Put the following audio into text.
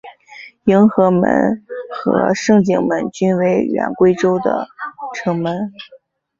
迎和门和景圣门均为原归州的城门。